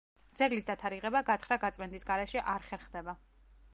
ძეგლის დათარიღება გათხრა-გაწმენდის გარეშე არ ხერხდება.